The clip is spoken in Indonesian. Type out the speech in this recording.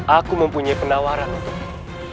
aku mempunyai penawaran untukmu